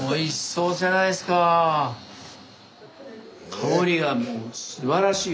香りがもうすばらしいよね。